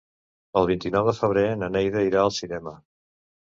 El vint-i-nou de febrer na Neida irà al cinema.